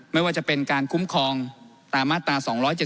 ไม่ว่าจะเป็นการคุ้มครองตามมาตรา๒๗๒